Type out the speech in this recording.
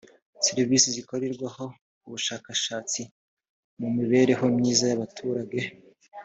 serivisi zakorereweho ubushakashatsi mu mibereho myiza y’ abaturage